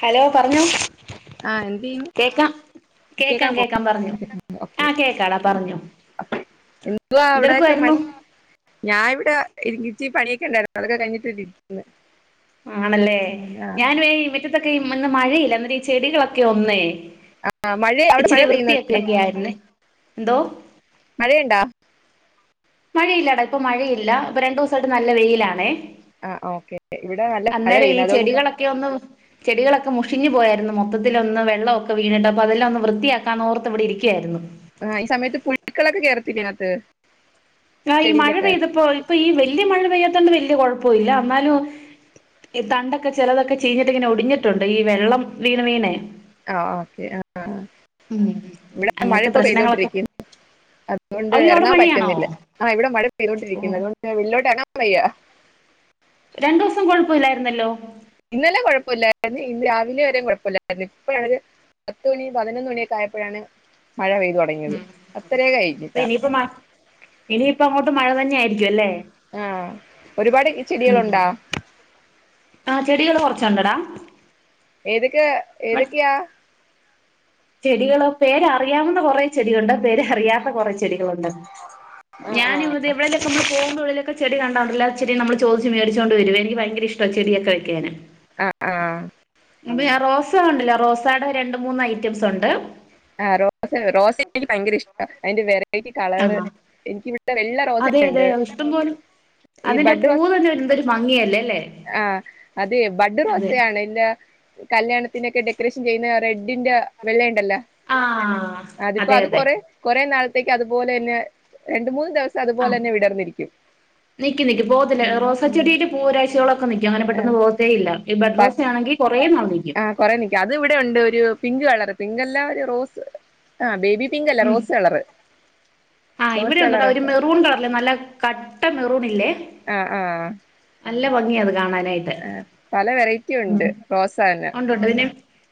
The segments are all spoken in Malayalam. ഹലോ പറഞ്ഞോ ആഹ എന്ന് കേക്കൻ കേക്കാം പറഞ്ഞു ആഹ കേക്കാടാ പറഞ്ഞോ എന്ത അവിടൊക്കെ മ എന്തെടുക്കുവായിരുന്നു ഞൻ ഇവിടെ ഇി ചച്ചി പണിയൊക്കെണ്ടായിരുന്നു അതൊക്കെ കഴിട്ട് ഇരിക്കന്ന് ആണല്ലേ ഞാൻ മുറ്റത്തൊക്കെ ഇന്ന് മഴയില്ല എന്നിട്ട് ഈ ചെടികളൊക്കെ ഒന്നേ മഴ അവിടെ മഴ ഇച്ചിരി പെയ്യുന്നുണ്ടോ വൃത്തിയാക്കിയൊക്കെ ആയിരുന്നെ എന്തോ മഴയുണ്ടാ മഴയില്ലാടാ ഇപ്പ മഴയില്ല ഇപ്പൊ രണ്ടു ദിവസായിട്ട് നല്ല വെയിലാണേ ആഹ് ഓക്കെ ഇവിടെ നല്ല മഴ അന്നേരം ഈ പെയ്യുന്നു അതുകൊണ്ട് ചെടികളൊക്കെ ഒന്ന് ചെടികളൊക്കെ െ മുഷിഞ്ഞു പോയായിരുന്നു മൊത്തത്തിൊന്ന് മുഷിഞ്ഞു പോയായിരുന്നു വെള്ളൊക്കെ വീണിട്ട് അൊ അതെല്ലാം ഒന്ന് വൃത്തിയാക്കാൻ ഓർത്ത് ഇവിടെ ഇരിക്കയായിരുന്നു ആ ഈ സമയത്ത് പുഴുക്കളൊക്കെ കേർത്തില്ലേ ഇതിനകത്ത് ആ ഈ മഴ ചെടിയിലൊക്കെ പെയ്തപ്പോ ഇപ്പൊ ഈ വല്യ മഴ പെയ്യാത്ത കൊണ്ട് വല്യ കൊഴപ്പമ ഇല്ല എന്നാലും ഈ തണ്ടൊക്കെ ചെിലതൊക്കെ ചീഞ്ഞിട്ട് ഇങ്ങനെ ഒടിഞ്ഞിട്ടുണ്ട് ഈ വെള്ളം വീണ് വീണേ ആഹ ഓക്കെ ആ ഉം ഇവിടെ മഴ അങ്ങനത്തെ ഇപ്പോൊ പ്രശ്നങ്ങളൊക്കെ പെയ്തോൊണ്ടിരിക്ക അതുകൊണ്ട് അയ്യോ അവിടെ ഇറങ്ങാൻ മഴയാണോ പറ്റുന്നില്ല ആ ഇവിടെ മഴ പെയ്തുകോണ്ടിരിക്കുന്നു അതുകൊണ്ട്ള്ളിലോട്ട് [unintelligible] രണ്ടു ദിവസം കൊഴപ്പമില്ലായിരുന്നല്ലോ ഇന്നലെ കൊഴപ്പമില്ലായിരുന്നു ഇന്ന് രാവിലെ വരെെയ കുഴപ്പമില്ലായിരുന്നു ഇപ്പത് പത്ത് മണി പതിനൊന്ന് മണിഒക്കെ ആയപ്പോഴാണ് ഉ അപ്പ ഇനിയിപ്പ മ ഇനിയിപ്പ അങ്ങോട്ട് മഴ തന്നെ ആയിരിക്കും അല്ലേ ആഹ് ഒരുപാട് ചെടികളുണ്ടോ ആ ചെടികൾ കുറച്ചുണ്ടടാ ഏതൊക്കെ ഏതൊക്കെയാ ചെടികളോ പേര്അറിയാവുന്ന കൊറേ ചെടികുണ്ട് പേര് അറിയാത്ത കൊറെ ചെടികളുണ്ട് ആഹ് ഞാൻ ഇ ആഹ് എവിടെലക്കെ പോകുമ്പോ ചെടി കണ്ടാൽ ഉണ്ടല്ലോ ചെടി നമ്മൾ ചോദിച്ചു മേടിച്ചൊണ്ട് വരും എനിക്ക് ഭയകര ഇഷ്ട്ടാ ചെടൊക്കെ വെക്കാാന് ആഹ് ആഹ് റോസ ഉണ്ടല്ലോ റോസയുടെ രണ്ട് മൂന്ന് ഐറ്റംസ് ഉണ്ട് ആഹ റോസ് റോസ എനിക്ക് ഭയങ്കര ഇഷ്ട അതിന്റെ വി വ കളറ് ആഹ് എനിക്ക് ഇവിടെത്തെ വെള്ള അതെ റോസയക്ക അതെ ഉണ്ട് ഇഷ്ടം പോലെ അതിന്റെ പൂവ് ഒരു എന്തൊരു ഭംഗിയല്ലേ അല്ലേ ആഹ അതെ ബഡ് അതെ റോസയാണ് ഇല്ല കല്യാണത്തിനൊക്കെ ഡെക്കറേഷൻ ചെയ്യുന്ന റെഡിന്റെ വെള്ളം ആഹ് അപ്പോ അതെ അത് അതെ കൊറേ കൊറേ നാളത്തേക്ക് അതുപോലെത്തന്നെ രണ്ട് മൂന്നു ദിവസം അതുപോലെ ആഹ് തന്നെ വിടർന്നിരിക്കും നിക്കും നിക്കും പോകത്തില്ല ഉ റോസാ ഉ ചെടിയില് പൂ ഒരാഴ്ചയോളൊക്കെ നിക്കും അങ്ങനെ പെട്ടെന്ന് പോകത്തേ ഇല്ല ഈ ബഡ് ആ റോസയാണെങ്കി കൊറേ നാൾ നിക്കും ആ കൊറ നിക്ക അത് ഇവിടെ ഉണ്ട് ഒരു പിങ്ക് കളറ് പിങ്കക്ല്ല ഒരു റോസ് ആ ബേബി പിങ്ക് അല്ല ഉം റോസ് കളറ് ആഹ് റോസ് ഇവിടെ ഉണ്ടട്ടോ കളറ് ഒരു മെറൂൺ കളറില്ലേ നല്ല കട്ട മെറൂൺ ഇല്ലേ ആ ആ നല്ല ഭംഗിയത് കാണാനായിട്ട് വെറൈറ്റി ഉണ്ട് റോസാ തന്നെ ഉണ്ട്ണ്ട് പിന്നെ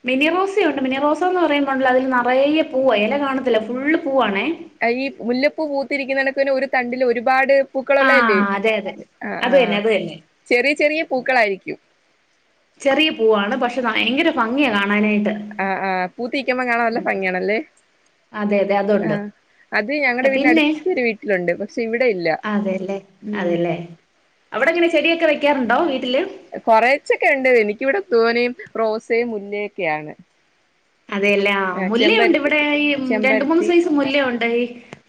മിനിറോസയുണ്ട് മിനിറോസ എന്ന് പറയുമ്പോണ്ടല്ലോ അതില് നിറയ പൂവ ഇല കാണത്തില്ല ഫുള് പൂവവാാണ് ഈ മുല്ലപ്പൂ പൂത്തിരിക്കുന്നടക്കന്നെ ഒരു തണ്ടില് ഒരുപാട് പൂക്കളള്ളല്ലേ ആഹ് അതെ അതെ ആ അത് ആഹ തന്നെ അത് തന്നെ ചെറിയ ചെറിയ പൂക്കളായിരിക്കും ചെറിയ പൂവാണ് പക്ഷെ ഭയങ്കര ഭംഗിയെ കാണ ആഹ് ആഹ പൂ തീക്ക്പോ കാണാൻ നല്ല ഉം ഭംഗിയണല്ലേ അതെ അതെ അതുണ്ട് ആഹ അത് ഞങ്ങളുടെ വീടിൻ പിന്നെ അടുത്തൊരു വീട്ടിലുണ്ട് പക്ഷെ ഇവിടെ ഇല്ല അതെല്ലേ ഉം അതെല്ലേ അവിടെ എങ്ങനെ ചെടിയൊക്കെ വെക്കാറുണ്ടോ വീട്ടില് കൊറച്ചൊക്കെ ഉണ്ട്ത് എനിക്കി ഇവിടെ തോനയും റോസയും മുല്ലയൊക്കെയാണ് അതെയല്ലേ ആ ആഹ് മുല്ലയുണ്ട് ചെമ്പരത്തി ഇവിടെ ഈ രണ്ട് മൂന്ന് ചെമ്പരത്തി സൈസ് മുല്ലയുണ്ട് ഈ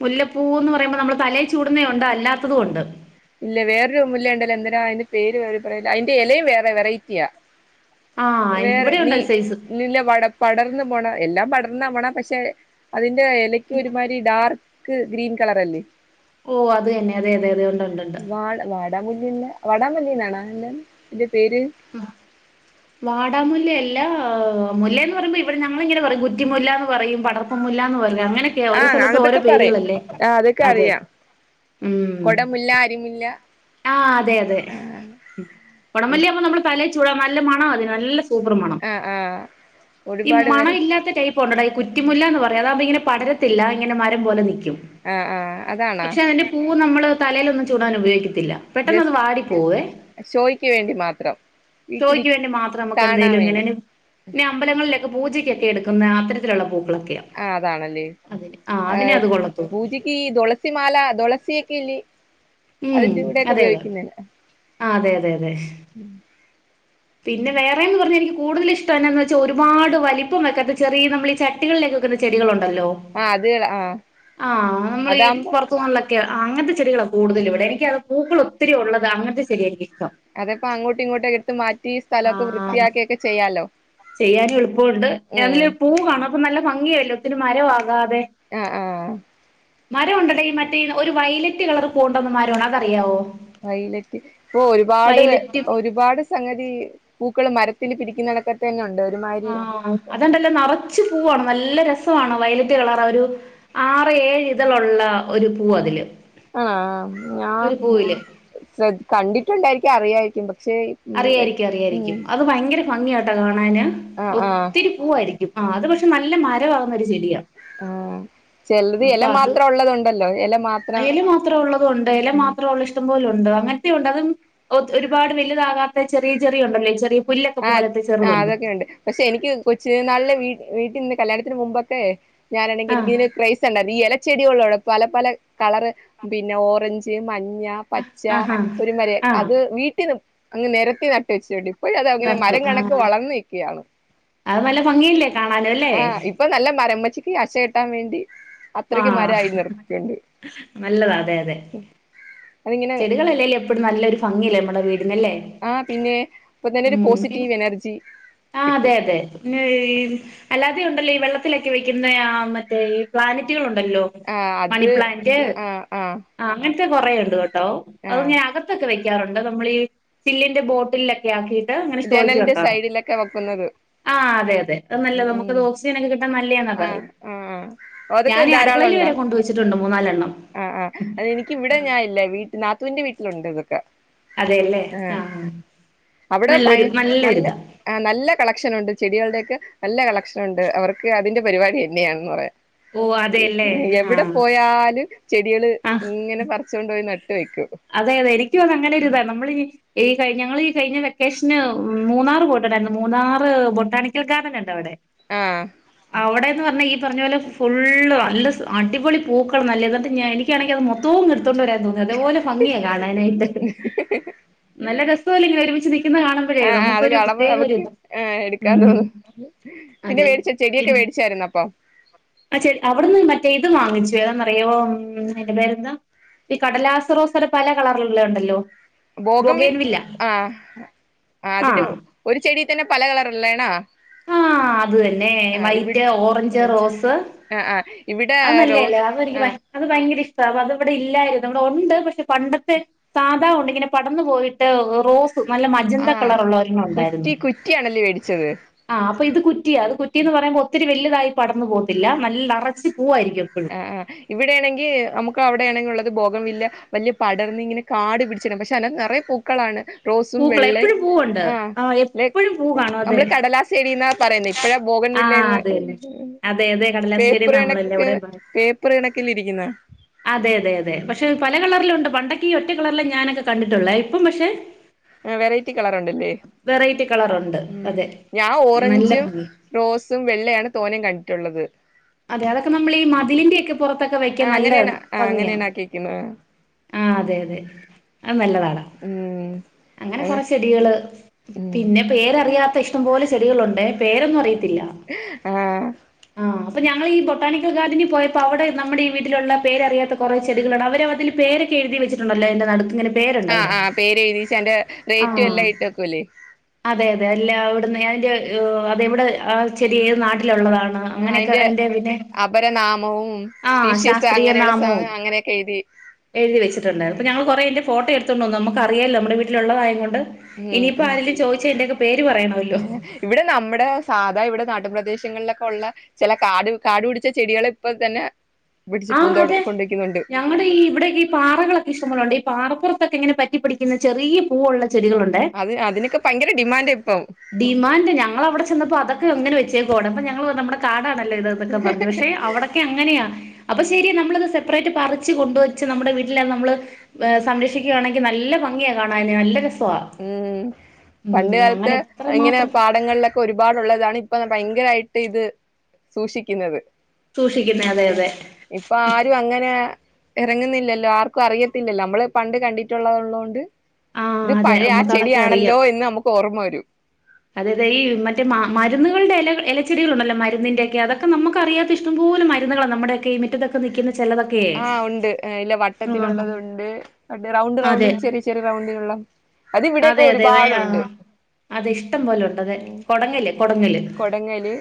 മുല്ലപ്പൂന്ന് പറയുമ്പോൾ നമ്മൾ തല ചൂടുന്നതും ഉണ്ട് അല്ലാത്തതും ഉണ്ട് ഇല്ല വേറൊരു മുല്ല ഉണ്ടല്ലോ എന്തരാ അതിന്റെ പേര് വേറെ പറയല്ല അതിന്റെ ഇലയും വേറെ വെറൈറ്റിയാ ആഹ് വേറെ ഇവിടെ ഉണ്ട് നീ ഒരു സൈസ് നിന്റ വടപ്പ പടർന്ന് പോണ എല്ലാം പടർന്നാ പോണ പക്ഷെ അതിന്റെ ഇലക്ക് ഒരുമാതിരി ഡാർക്ക് ക്ക് ഗ്രീൻ കളർ അല്ലേ ഓ അത് തന്നെ അതെ അതെ അതെ ഉണ്ട് ഉണ്ട് വാ വാടാമല്ലിയല്ല വാടാമല്ലിന്നാണാ എ ഇ ആ വാടാമുല്ല എല്ല ല്ല മുല്ല എന്ന് പറയുമ്പോ ഇവിടെ ഞങ്ങളിങ്ങനെ പറയും കുറ്റിമുല്ല എന്ന് പറയും പടർപ്പു മുല്ല എന്ന് പറ ആഹ അതൊക്കെ പറയും ആഹ അതൊക്കെ അതെ അറിയാം കുടമുല്ല അരിമുല്ല ആഹ അതെ അതെ ആ കുടമല്ലിയാകുമ്പോ നമ്മള് തലേ ചൂടാം നല്ല മണം അതിന് നല്ല സൂപ്പർ മണം ആ ആ ഈ ഒരുപാട് മണം പേര് ഇല്ലാത്ത ടൈപ്പ് ഉണ്ടെടാ ഈ കുറ്റിമുല്ല എന്ന് പറഞ്ഞ അതാവുമ്പോ ഇങ്ങനെ പടരത്തില്ല ഇങ്ങനെ മരം പോലെ നിക്കും ആ ആ അതാണോ പക്ഷെ അതിന്റെ പൂവ് നമ്മള് തലേലൊന്നും ചൂടാൻ ഉപയോഗിക്കത്തില്ല പെട്ടെന്ന് അത് ജസ്റ്റ് വാടി പോവേ ഷോയ്ക്ക് വേണ്ടി മാത്രം വീട്ടിൽ ഷോയ്ക്ക് വേണ്ടി മാത്രം നമുക്ക് കാണാൻ എന്തേലും ഇങ്ങനെ വേണ്ടി പിന്നെ അമ്പലങ്ങളിലൊക്കെ പൂജക്കൊക്കെ എടുക്കുന്ന അത്തരത്തിലുള്ള പൂ ആ അതാണല്ലേ ആഏ അതിനെ അത് കൊള്ളത്തുള്ളൂ പൂജയ്ക്ക് തുളസിമാല തുളസി [unintelligible] ഉം അതിന്റെറെ കൂടേക്ക അതെ അതെ ഉപയോഗിക്കുന്ന ആ അതെ അതെ അതെ പിന്നെ വേറെ എന്ന് പറഞ്ഞാ എനിക്ക് കൂടുതൽ ഇഷ്ടം എന്നാന്ന് വെച്ചാൽ ഒരുപാട് വലിപ്പം വെക്കാത്ത ചെറിയ നമ്മൾ ഈ ചട്ടികളിലൊക്ക വയ്ക്കുന്ന ചെടികളോണ്ട അലോ ആ അത് ആ ആ നമ്മൾ അതാകുമ്പോ പുറത്തു അങ്ങനത്തെ ചെടികളാണ് കൂടുതലിവിടെ എനിക്ക് അ പൂക്കൾ ഒത്തിരി ഉള്ളത് അങ്ങനത്തെ ചെടിയാനിക്ക് അതപ്പോ അങ്ങോട്ടും ഇങ്ങോട്ടൊ എടുത്ത് മാറ്റി ആ സ്ഥലമൊക്കെ വൃത്തിയാക്കിയൊക്കെ ചെയ്യാലോ ചെയ്യാനും എളുപ്പമുണ്ട് ഉം അതില് പൂവ് കാണും അപ്പോ നല്ല ഭംഗിയായല്ലോ ഒത്തിരി മരമാകാത്ത ആഹ ആഹ മരം ഉണ്ടടാ ഈ മറ്റേ ഒരു വൈലറ്റ് കളർ പൂവുണ്ടാവുന്ന മരമാണ് അതറിയാവോ വൈലറ്റ് ഇപ്പൊ ഒരുപാട് വയലറ്റ് ഒരുപാട് സംഗതി പൂക്കൾ മരത്തില് പിടിക്കുന്ന കണക്കത്തെന്ന ഉണ്ട് ഒരുമാതിരി ആഹ അത്ണ്ടല്ല നിറച്ച് പൂവാണ് നല്ല രസ വയലറ്റ് കളർ ഒരു ആറ് ഏഴ് ഇതളുള്ള ഒരു പൂവ് അതില് ആ ഞാ ഒരു പൂവില് കണ്ടിട്ടുണ്ടായിരിക്കും അറിയായിരിക്കു അറിയായിരിക്കും അറിയായിരിക്കും അത് ഭയങ്കര ഭംഗിയാട്ട കാണാന് ആഹ് ആഹ് ഒത്തിരി പൂവായിരിക്കും ആ അത് പക്ഷെ നല്ല മരമാകുന്ന ഒരു ചെടിയാ ആഹ ചിലത് ഇല മാത്രം ഉള്ളതുണ്ടല്ലോ ഇല മാ ആ ഇല മാത്രം ഉള്ളതുണ്ട് ഇല മാത്രമുള്ള ഇഷ്ടം പോലെ ഉണ്ട് അങ്ങനത്തേമുണ്ട് അത് ഒ ഒരുപാട് വലുതാകാത്ത ചെറിയ ചെറിയുണ്ടല്ലോ ഈ ചെറി ആ ആ അതൊക്കെ ഉണ്ട് പക്ഷെ എനിക്ക് കൊച്ചുനാളിൽ വീട്ട വീട്ടിൽ നിന്ന് കല്യാണത്തിന് മുമ്പൊക്കെ ഞാനാണെങ്കിൽ എനിക്ക ആഹ് ഇങ്ങനെ ക്രൈസ് ഉണ്ടായിരുന്ന് ഈ ഇല ചെടികളൊള്ള പല പല കളറ് പിന്നെ ഓറഞ്ച് മ ഞ്ഞ പച്ച ആഹാ ഒരു [unintelligible] ആഹ് അത് വീട്ടി നിപ് അങ്ങ് നിരത്തി നട്ട് വെച്ചിട്ടുണ്ട് ഇപ്പം ഇ നിക്ക് അതങ്ങനെ മരം ഇതാക്കും. കണക്ക് ആഹ് വളർന്നിക്കാണ് അത് നല്ല ഭംഗിയില്ലേ കാണാനും അല്ലേ ആഹ ഇപ്പൊ നല്ല മരമ്പച്ചിക്ക് അശ കെട്ടാൻ വേണ്ടി അത്രയ്ക്ക് ആഹ് മരമായി നിർത്തിട്ടുണ്ട് നല്ലതാ അതെ അതെ ചെടികളല്ലേലും എപ്പഴും നല്ലൊരു ഭംഗിയല്ലേ നമ്മുടെ വീട്ട ആ പിന്നെ ഇപ്പൊ തന്നെ ഒരു ഉം പിന്നെ പോസിറ്റീവ് എനർജി ആ അതെ കിട്ടും അതെ പിന്ന അല്ലാതെയും ഉണ്ടല്ലൊ വെള്ളത്തിലൊക്കെ വയ്ക്കുന്ന ആ മറ്റേ ഈ പ്ലാനറ്റുകളു ല്ലോ ആഹ് അത് മണിപ്ലാന്റ് ആഹ് ആഹ് അങ്ങനെ കുറേയുണ്ട് കേട്ടോ ആഹ് അത്ങ്ങനെ അകത്തൊക്കെ വെക്കാറുണ്ട് നമ്മൾ ഈ ച്ചില്ലിന്റെ ബോട്ടിലൊക്കെ ആക്കി അങ്ങനെ ഷോക്ക് ജനലിന്റെ വെക്കാറുണ്ട്. സൈഡിലൊക്കെ വെക്കുന്നത് ആ അതെ അതെ അത് ഉം നല്ലത് നുത് ഉം ഓക്സിജൻ ഒക്കെ കിട്ടാൻ നല്ല പറ ആഹ് ആഹ് അതൊക്കെ ഞാനീ ധാരാളം അടുക്കളയില് വരെ കൊണ്ടുവെച്ചിട്ടുണ്ട് മൂന്നാലെണ്ണം ആ അ എനിക്കിവിടെ ഞാൻല്ല വീട്ടില് നാത്തുവിന്റെ വീട്ടിലുണ്ട് ഇതൊക്കെ ആ അവിടെ നല്ലൊരു നല്ല നല്ലൊരിതാ ആ നല്ല കള കളക്ഷൻ ഉണ്ട് ചെടികളുടെയ ഒക്കെ നല്ല കളക്ഷൻ ഉണ്ട് അവർക്ക് അതിന്റെ പരിപാടി തന്നെയാണെന്ന് പറയാൻ ഓ അതെല്ലേ ആ എവിടെ പോയാലും ചെടികള് ആ ഇങ്ങനെ പറച്ച്കൊണ്ട് പോയി നട്ട അതെ അതെ എനിക്കും അത് അങ്ങനെ ഒരുരി ഇതാ നമ്മളി ഈ കഴിഞ്ഞ ഞങ്ങളി കഴിഞ്ഞ വെക്കേഷന് മൂന്നാറ് പോയിട്ടുണ്ടായിരുന്നു മൂന്നാറ് ബൊട്ടാണിക്കൽ ഗാർഡൻ ഇണ്ട് അവിടെ ആഹ് അവിടെന്ന് പറഞ്ഞാൽ ഈ പറഞ്ഞ പോലെ ഫുള്ള് നല്ല അടിപൊളി പൂക്കൾ നല്ലത് എന്നിട്ട് എനിക്കാണെങ്കിൽ അത് മൊത്തവും കി ഇട്ത്ത് കൊണ്ട് വരാൻ തോന്നി അതേപോലെ ഭംഗിയാ കാണാനായിട്ട് നല്ല രസവല്ല ഇങ്ങനെ ഒരുമിച്ച് നിക്കുന്നത് കാണുമ്പോഴേ ആഹ് ആഹ് അത് നമുക്കൊരു കാണുമ്പോ പ്രത്യേക നമുക്ക് ഒരിതാ ആഹ് ഉ എടുക്കാൻ തോന്നും പിന്നെ മേടിച്ച ചെടിയൊക്കെ മേടിച്ചായിന്നു അപ്പൊ ആ ചെ അവിടുന്ന് മറ്റേ ഇത് വാങ്ങിച്ചു ഏതാെന്നറിയോ ഉം [unintelligible] പേരെന്താ ഈ കടലാസറോസേടെ പല കളറിലുള്ള ഉണ്ടല്ലോ ബൊഗേൻ ബൗഗൻവില്ല വില്ല ആ ആ അതിന്റെ ആഹ് ഒരു ചെടിൽ തന്നെ പല കളറല്ലെടാ ആ അത് തന്നെ വൈറ്റ് ഓറഞ്ച് റോസ് ആ ആ ഇവിടെ അത് നല്ലല്ലേ റോസ് അത എനിക്ക് ആ അത് ഭയങ്കര ഇഷ്ടം അത് ഇവിടെ ഇല്ലായിരുന്നു നമ്മടെ ഉണ്ട് പക്ഷെ പണ്ടത്തെ സാധാവുണ്ട് ഇങ്ങനെ പടന്നു പോയിട്ട് റോസ് നല്ല മജന്ത ആ കളർ [unintelligible] ഉണ്ടായിരുന്നു കുറ്റി കുറ്റിയാണല്ലേ മേടിച്ചത് അപ്പൊ ഇത് കുറ്റിയാണ് അത് കുറ്റിന്ന് പറയുമ്പോൾ ഒത്തിരി വലുതായി പടന്നു പോകത്തില്ല നല്ല പൂവായിരിക്കും എപ്പഴും ആ ആ് ഇവിടെയാണെങ്കിൽ നമുക്ക് അവിടെ ആണെങ്കിൽ ഉള്ള ബൗഗൻവില്ല വലിയ പടർന്ന് ഇങ്ങനെ കാട് പിടിച്ചിണം പക്ഷെ അല്ല നിറയ പൂക്കളാണ് റോസും പൂക്കള വെള്ളെ എപ്പഴും പൂവുണ്ട് ആ ആഹ ല്ലെ എപ്പഴും പൂ കാണോ അതെ നമ്മള് കടലാസ് ചെടീന്നാ പറയുന്നെ ഇപ്പഴാ ബോഗൻ ആഹ് വില്ലേന്ന് അതെല്ലെ അതെ അതെ കടലാസ്സ് ചെടി പേപ്പർ കണക്ക് നമ്മളെല്ലാംവിടെ പേപ്പർ കണക്കിലിരിക്കുന്ന അതെ അതെ അതെ ഉം പക്ഷെ പല കളറിലുംണ്ട് പണ്ടൊ ഈ ഒറ്റ കളറല്ലാം ഞാനൊക്കെ കണ്ടിട്ടുള്ളേ ഇപ്പം പക്ഷെ ആ വെറൈറ്റി കളറുണ്ടല്ലേ വെറൈറ്റി കളറുണ്ട് ഉം അതെ ഞാൻ നല്ല ഓറഞ്ചും ഭംഗി റോസും വെള്ളയാണ് [unintelligible] കണ്ടിട്ടുള്ളത് അതെ അതൊക്കെ നമ്മൾ ഈ മതിലിന്റെക്കെ പുറത്തൊക്കെ ആ വെക്കാൻ നല്ല അങ്ങനെയാണ് ആ ഭംഗിയാണ് അങ്ങനെയാണ് ആക്കിക്കുന്നത് ആഹ അതെ അതെ അത് നല്ലതാടാ ഉം അങ്ങനെ അത് കൊറേ ചെടികള് ഉം പിന്നെ പേരറിയാത്ത ഇഷ്ടംപോലെ ചെടികളുണ്ട് പേരൊന്നും അറിയത്തില്ല ആ ആഹ് അപ്പോ ഞങ്ങളീ ബൊട്ടണിക്കൽ ഗാർഡനിൽ പോയപ്പോൾ അവിടെ നമ്മുടെ ഈ വീട്ടിലുള്ള പേരറിയാത്ത കുറെ ചെടികളിണ്ട് അവര് അതിൽ പേരൊക്കെ എഴുതി വച്ചിട്ടുണ്ടല്ലോ അതിന്റെ നടുക്കിങ്ങനെ ആഹ് ആ പേര് എഴുതീട്ട് അന്റെ ആ റേറ്റ് എല്ലാം ഇട്ട് വക്കൂലേ അതെ അതെ അല്ല അവിടുന്ന്തിന്റെ അതെവിടെ ആ ചെറിയ ഏത് നാട്ടിലുള്ളതാണ് അങ്ങനെ അ അപരനാമവും ആഹ് സ്പീഷ്യസ് ശാസ്ത്രീയ അങ്ങനെയുള്ള നാമവും സാധനം അങ്ങനെയൊക്കെ എഴുതി എഴുതി വച്ചിട്ട്ണ്ടായിരുന്നു അപ്പ ഉം ഞങ്ങൾ കുറെ അയിന്റെ ഫോട്ടോ എടുത്ത് നമുക്കറിയാല്ലോ നമ്മടെ വീട്ടിലുള്ളതായ കൊണ്ട് ഇനിയിപ്പോ ഉം ആരെലും ചോദിച്ച ഇവിടെ നമ്മുടെ സാധാ ഇവിടെ [unintelligible] പ്രദേശങ്ങളിലൊക്കെ ഉള്ള ചില കാട് കാടു പിടിച്ച ചെടികൾ ഇപ്പ തന്നെ പിടിച്ച് ആഹ് പൂന്തോട്ട അതെ കൊണ്ടുവയ്ക്കുന്നുണ്ട് ഞങ്ങളുടെ ഈ ഇവിടെ ഈ പാറകളൊക്കെ ഇഷ്ടപോലുണ്ട് ഈ പാറപ്പുറത്തൊക്കെ ഇങ്ങനെ പ പിടിക്കുന്ന ചെറിയ പൂവ് ഉള്ള ചെടികളുണ്ട് അത് അതിനൊക്കെ ഭയങ്കര ഡിമാൻഡ് ഇപ്പം ഡിമാൻഡ് ഞങ്ങളവിടെ ചെന്നപ്പോ അതൊക്കെ ക്ക് ഇങ്ങനെ വെച്ചേക്കാണ് അപ്പൊ ഞങ്ങള് നമ്മുടെ കാടാണല്ലോ ഇതൊക്കെ പറഞ്ഞു പക്ഷെ അവിടൊക്കെ അങ്ങനെയാ. അപ്പൊ ശരി നമ്മളത് സെപ്പറേറ്റ് പറിച്ച് കൊണ്ടുവച്ച് നമ്മുടെ വീട്ടിലത് നമ്മള് സംരക്ഷിക്കുകയാണെങ്കിൽ നല്ല പാ ഭംഗിയാ കാണാന് നല്ല രസാ ഉം പണ്ട് കാലത്ത് അങ്ങനെ എത്ര ഇങ്ങനെ മാത്രം പാടങ്ങളിലൊക്കെ ഒരുപാടുള്ളതാണ് ഇപ്പൊ ഭയങ്കരായിട്ട് ഇത് സൂക്ഷിക്കുന്നത് സൂക്ഷിക്കുന്നെ അതെ അതെ ഇപ്പൊ ആരും അങ്ങനെ ഇറങ്ങുന്നില്ലല്ലോ ആർക്കും അറിയത്തില്ലല്ലോ നമ്മള് പണ്ട് കണ്ടിട്ടുള്ളതുള്ളോണ്ട് ആ ഇത് അതെ പഴയ ആ നമുക്ക് ചെടിയാണല്ലോ എന്ന് നമുക്ക് ഓർമ്മ വരും അതെ അതെ ഈ മറ്റേ മരുന്നുകളുടെ ഇല ഇലച്ചെടികളുണ്ടല്ലോ മരുന്നിന്റെ ഒക്കെ അതൊക്കെ നമുക്ക് അറിയാത്ത ഇഷ്ടം പോലെ [unintelligible] മരുന്നുകളാ നമ്മുടെയൊക്കെ ഈ മുറ്റത്തൊക്കെ നിക്കുന്നെ ആ ഉണ്ട് ഇല്ല ആ വട്ടത്തിലുള്ളത് ഉണ്ട് റൗണ്ട് റൗണ്ട് അതെ ചെറിയ ചെറിയ റൗണ്ടിലുള്ള അതെ അതെ [unintelligible] അത് ഇഷ്ടം പോലെ ഉണ്ട് അത് ഉം കൊടങ്ങല് കൊടങ്ങല് കൊടങ്ങല്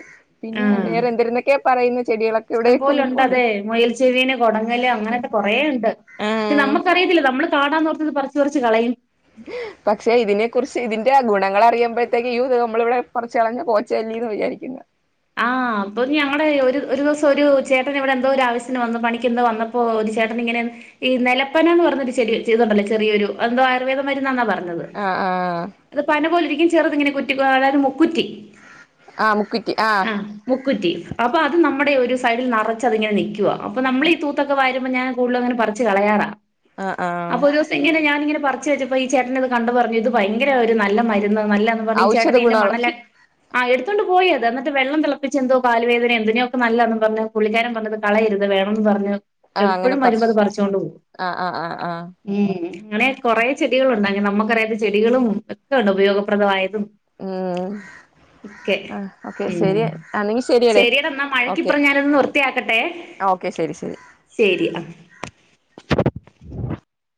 ആ പിന്നെ വേറെ എന്തിരുന്നൊക്കെ പറയുന്ന ചെടികളൊക്കെ ഇഷ്ടം ഇവിടെയൊക്കെ നിപ്പുണ്ട് പോലുണ്ടതെ മൊയൽ ചെവിനെ കൊടങ്ങ ങ്ങൽ അങ്ങനത്തെ കൊറേ ഇണ്ട് പക്ഷെ ആഹ് നമ്മക്കറിയത്തില്ല നമ്മള് കാടാന്നോർത്തത് പറിച്ച് പറിച്ച് കളയും പക്ഷെ ഇതിനെ കുറിച്ച് ഇതിന്റെ ഗുണങ്ങളറിയുമ്പോഴത്തേക്ക് യ്യോ ദേ നമ്മളിവിടെ പറിച്ച് കളഞ്ഞ് പോച്ചല്ലിന്ന് വിചാരിക്കുന്നെ ആ അപ്പൊ ഞങ്ങടെ ഒരു ദിവസം ഒരു ചേട്ടൻ ഇവിടെ എന്തോ ഒരു ആവശ്യത്തിന് വന്ന് പണിക്കന്തോ വന്നപ്പോ ഒരു ചേട്ടൻ ഇങ്ങനെ ഈ നലപ്പന എന്ന് പറഞ്ഞൊരു ചെടി ചെറുതുണ്ടല്ലോ ചെറിയൊരു അത് എന്തോ ഒരു ആയുർവേദ മരുന്നാന്ന പറഞ്ഞത് ആഹ് ആഹ് അത് പന പോലെ ഇരിക്കും ചെറുതിങ്ങനെ കുറ്റി മുക്കുറ്റി ആ മുക്കുറ്റി ആ ക്കുറ്റി അപ്പോ അത് നമ്മുടെ ഒരു സൈഡിൽ നറച്ചത്ങ്ങനെ നിക്കുവാ അപ്പോ നമ്മളീ തൂത്തൊക്കെ വാരും ഞാൻ കൂടുതലും അങ്ങനെ പറച്ച് കളയാറാ ആഹ് ആഹ് അപ്പംഒരുസങ്ങനെ ഞാൻ ങ്ങനെ പറി ച്ച് വെച്ചപ്പോ ഈ ചേട്ടനെ ഇത് കണ്ടു പറഞ്ഞു ഇത് ഭയങ്കര ഒരു നല്ല മരുന്ന് നല്ലാന്നും പറഞ്ഞു ഈ ഔഷധ ചേട്ടന് ഇതിന്റെ ഗുണോള്ള മണ്ണല്ലാം ആ എടുത്തൊണ്ട് പോയിത് ട്ട് വെള്ളം തിളപ്പിച്ച് എന്തോ കാൽ വേദനയോ എന്തിനെയോക്കെ നല്ലന്ന് പറഞ്ഞ് പുള്ളിക്കാരൻ പറഞ്ഞത് കളയരുത് വേണം എന്ന് പറഞ്ഞ് ആഹ് എപ്പഴും അങ്ങനെ വരുമ്പോ പറിച്ച് അത് പറിച്ചൊണ്ട് പോകും ആഹ് ആഹ് ആഹ് ആഹ് ഉം അങ്ങനെ കൊറെ ചെടികൾ ഉണ്ട് അങ്ങനെ നമുക്കറിയാത്ത ചെടികളും ഒക്കെയുണ്ട് ഉപയോഗപ്രദമായതും ഉം ഒക്കെ ആ ഒക്കെ ഉം ശരിട എന്നാ ഓക്കെ മഴക്കിപ്പറം ഞാനിതൊന്ന് വൃത്തിയാക്കട്ടെ. ഓക്കെ ശരി ശരി ശരി അ